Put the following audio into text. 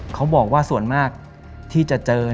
เขาบอกว่าส่วนมากที่จะเจอ